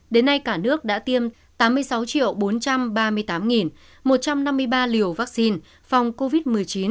đến nay cả nước đã tiêm tám mươi sáu bốn trăm ba mươi tám một trăm năm mươi ba liều vaccine phòng covid một mươi chín